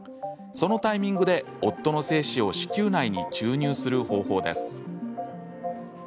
そのタイミングで夫の精子を子宮内に注入する方法です。